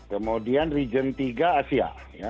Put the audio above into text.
kemudian region tiga asia